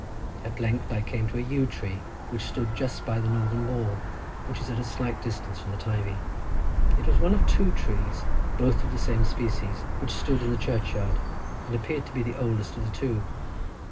At length I came to a yew tree which stood just by the northern wall which is at a slight distance from the Teivi. It was one of two trees, both of the same species, which stood in the churchyard, and appeared to be the oldest of the two.